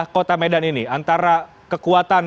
kota medan ini antara kekuatan